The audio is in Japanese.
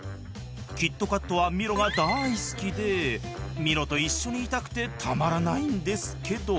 キットカットはミロが大好きでミロと一緒にいたくてたまらないんですけど。